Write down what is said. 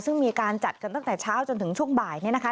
ซึ่งมีการจัดกันตั้งแต่เช้าจนถึงช่วงบ่ายเนี่ยนะคะ